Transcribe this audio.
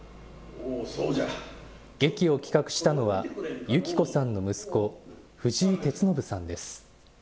劇を企画したのは幸子さんの息子、藤井哲伸さんです。